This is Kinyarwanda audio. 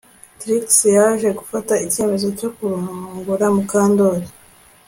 Trix yaje gufata icyemezo cyo kurongora Mukandoli